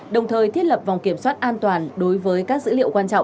đồng thời thiết lập vòng kiểm soát an toàn đối với các dữ liệu quan trọng